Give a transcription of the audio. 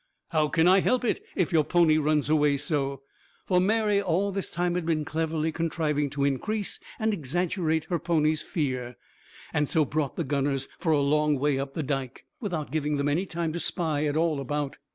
"How can I help it, if your pony runs away so?" For Mary all this time had been cleverly contriving to increase and exaggerate her pony's fear, and so brought the gunners for a long way up the Dike, without giving them any time to spy at all about.